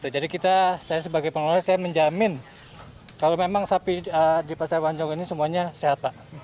jadi kita saya sebagai pengelola saya menjamin kalau memang sapi di pasar hewan janggut ini semuanya sehat pak